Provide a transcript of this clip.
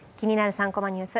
３コマニュース」